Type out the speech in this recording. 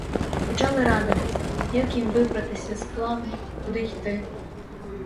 Почали радитись, як їм вибратися з плавнів, куди йти.